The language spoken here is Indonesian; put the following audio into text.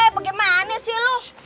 bagaimana sih lu